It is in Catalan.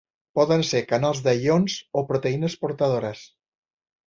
Poden ser canals de ions o proteïnes portadores.